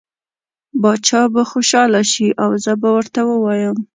باچا به خوشحاله شي او زه به ورته ووایم.